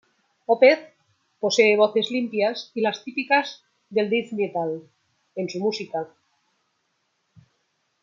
Opeth posee voces limpias y las típicas del death metal en su música.